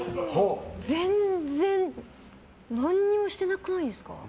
全然何もしてなくないですか？